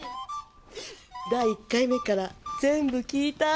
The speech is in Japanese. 第１回目から全部聴いた。